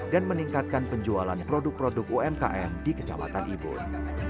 dan meningkatkan penjualan produk produk umkm di kecamatan ibun